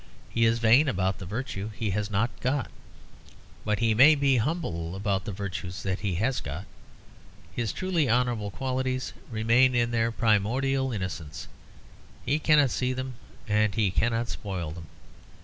He is vain about the virtue he has not got; but he may be humble about the virtues that he has got. His truly honourable qualities remain in their primordial innocence; he cannot see them and he cannot spoil them.